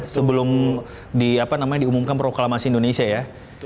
sebelum diumumkan proklamasi indonesia ya